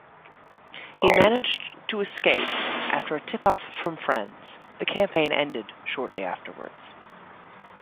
He managed to escape after a tip-off from friends; the campaign ended shortly afterwards.